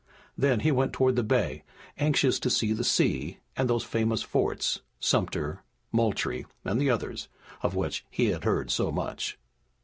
Then he went toward the bay, anxious to see the sea and those famous forts, Sumter, Moultrie and the others, of which he had heard so much.